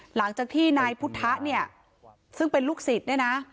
หลังจากที่นายพุทธะเนี่ยซึ่งเป็นลูกศิษย์เนี่ยนะ